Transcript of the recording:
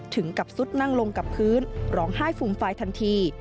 ถึงกับซุดนั่งลงกับพื้นร้องไห้ฟูมฟายทันที